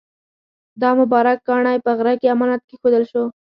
دا مبارک کاڼی په غره کې امانت کېښودل شو.